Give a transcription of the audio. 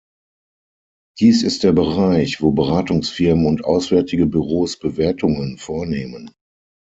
Dies ist der Bereich, wo Beratungsfirmen und auswärtige Büros Bewertungen vornehmen.